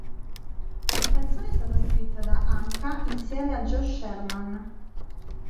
La canzone è stata scritta da Anka insieme a Joe Sherman.